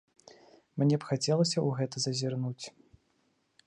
Мне б хацелася ў гэта зазірнуць.